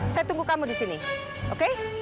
saya tunggu kamu di sini oke